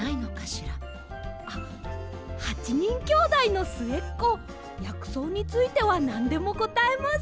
あっ８にんきょうだいのすえっこやくそうについてはなんでもこたえます。